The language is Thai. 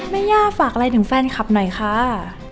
แม่ย่าฝากอะไรถึงแฟนคลับหน่อยค่ะ